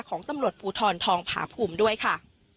ของตำรวจภูทรทองผาภูมิด้วยค่ะ